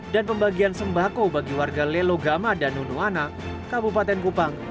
dan pembagian sembako bagi warga lelogama dan nunuwana kabupaten kupang